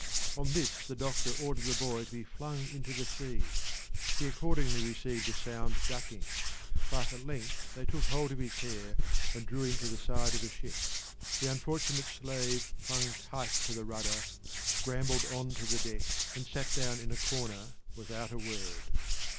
On this the doctor ordered the boy to be flung into the sea. He accordingly received a sound ducking; but at length they took hold of his hair and drew him to the side of the ship. The unfortunate slave clung tight to the rudder, scrambled on to the deck and sat down in a corner without a word.